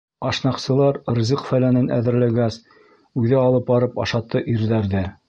Ашнаҡсылар ризыҡ-фәләнен әҙерләгәс, үҙе алып барып ашатты ирҙәрҙе.